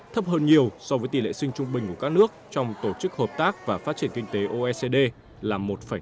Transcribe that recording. thấp hơn nhiều so với tỷ lệ sinh trung bình của các nước trong tổ chức hợp tác và phát triển kinh tế oecd là một năm mươi bảy